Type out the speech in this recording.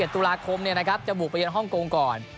๑๑ตุลาคมเนี่ยนะครับจะบุกไปเย็นห้องกงก่อน